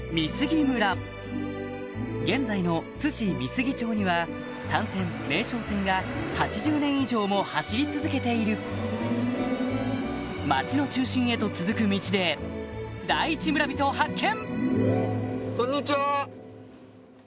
現在の津市美杉町には単線名松線が８０年以上も走り続けている町の中心へと続く道でハハハ！